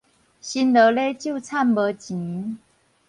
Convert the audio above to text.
辛勞咧咒懺無錢